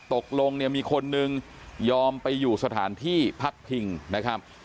ตกลงเนี่ยมีคนนึงยอมไปอยู่สถานที่พักพิงนะครับ